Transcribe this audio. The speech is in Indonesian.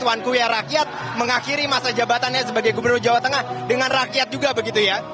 tuan kue rakyat mengakhiri masa jabatannya sebagai gubernur jawa tengah dengan rakyat juga begitu ya